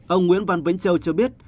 ông nguyễn văn vĩnh châu cho biết